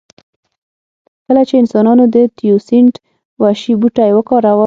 کله چې انسانانو د تیوسینټ وحشي بوټی وکاراوه